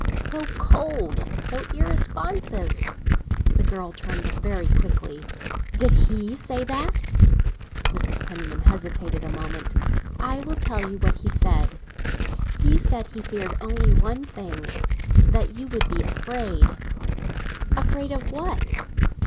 "So cold—so irresponsive." The girl turned very quickly. "Did he say that?" Mrs. Penniman hesitated a moment. "I will tell you what he said. He said he feared only one thing—that you would be afraid." "Afraid of what?"